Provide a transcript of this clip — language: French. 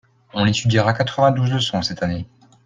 On étudiera quatre vingt-douze leçons cette année.